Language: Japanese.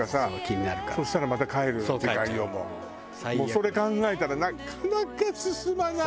それ考えたらなかなか進まない！